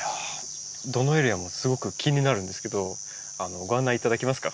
どのエリアもすごく気になるんですけどご案内いただけますか？